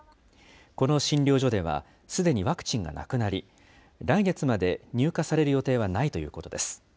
この診療所では、すでにワクチンがなくなり、来月まで入荷される予定はないということです。